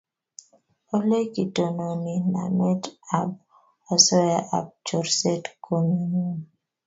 Ole kitononi namet ab asoya ak chorset ko nyunyum